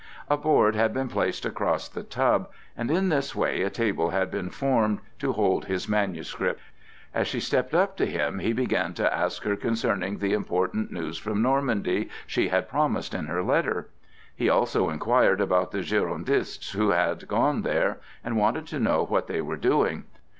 A board had been placed across the tub, and in this way a table had been formed to hold his manuscript. As she stepped up to him he began to ask her concerning the important news from Normandy she had promised in her letter. He also inquired about the Girondists who had gone there, and wanted to know what they were doing.